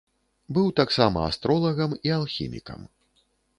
Быў таксама астролагам і алхімікам.